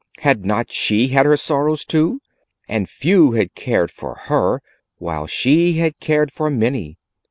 Had not she had her sorrows too? And few had cared for her, while she had cared for many.